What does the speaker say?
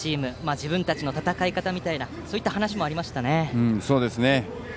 自分たちの戦い方みたいなそういう話もありました。